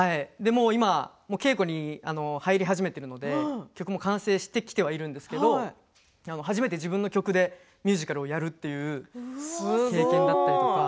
今、稽古に入り始めているので曲も完成してきてはいるんですけれど初めて自分の曲でミュージカルをやるという経験があったりとか。